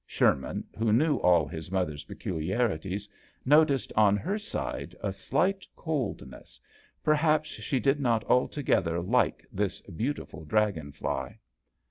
Sherman, who loiewall his mother's peculiarities, noticed on her side a slight cold ness ; perhaps she did not alto gether like this beautiful dragon fly.